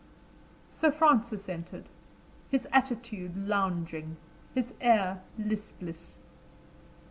Sir Francis entered, his attitude lounging, his air listless.